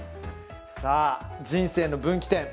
さあ人生の分岐点！